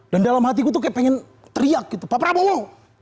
dan dalam hatiku tuh kayak pengen teriak gitu pak prabowo